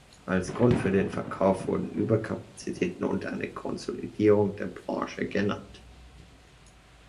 Als Grund für den Verkauf wurden Überkapazitäten und eine Konsolidierung der Branche genannt.